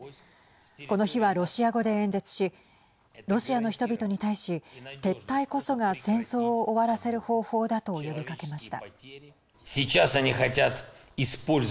この日はロシア語で演説しロシアの人々に対し撤退こそが戦争を終わらせる方法だと呼びかけました。